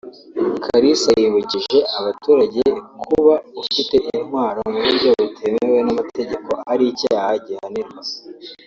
Kalisa yibukije abaturage kuba ufite intwaro mu buryo butemewe n’amategeko ari icyaha gihanirwa